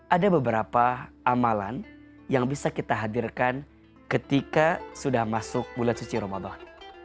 ada beberapa amalan yang bisa kita hadirkan ketika sudah masuk bulan suci ramadan